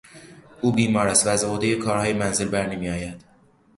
او بیمار است و از عهدهی کارهای منزل برنمیآید.